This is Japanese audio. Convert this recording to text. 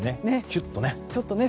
キュッとね。